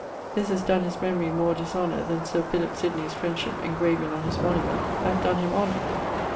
This has donne his memorie more dishonour then Sir Philip Sydney's friendship engraven on his monument hath donne him honour.